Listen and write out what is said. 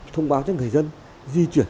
thông báo cho người dân di chuyển